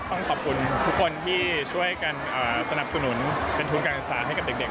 ต้องขอบคุณทุกคนที่ช่วยกันสนับสนุนเป็นทุนการศึกษาให้กับเด็ก